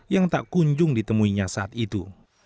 yang tak kunjung ditemuinya saat itu